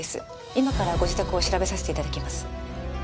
今からご自宅を調べさせて頂きます。